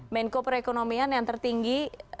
main code perekonomian yang tertinggi